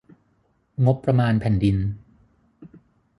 งบประมาณแผ่นดิน